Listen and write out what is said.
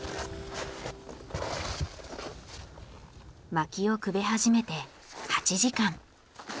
薪をくべ始めて８時間。